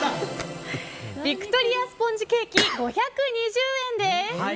ヴィクトリアスポンジケーキ５２０円です。